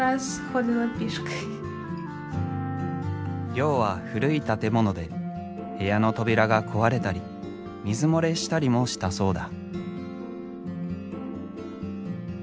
寮は古い建物で部屋の扉が壊れたり水漏れしたりもしたそうだ。